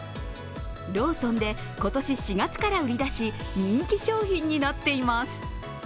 ローソンで今年４月から売り出し、人気商品になっています。